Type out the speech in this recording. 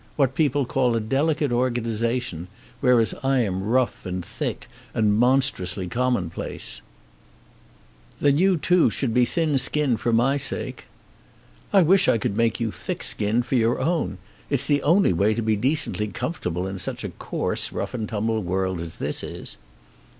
What people call a delicate organisation, whereas I am rough and thick and monstrously commonplace." "Then should you too be thin skinned for my sake." "I wish I could make you thick skinned for your own. It's the only way to be decently comfortable in such a coarse, rough and tumble world as this is."